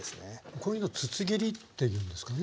こういうの筒切りっていうんですかね？